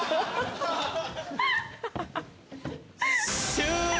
終了！